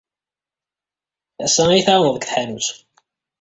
Ass-a ad iyi-tɛawned deg tḥanut.